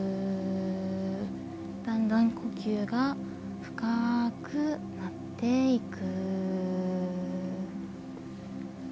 だんだん呼吸が深くなっていく。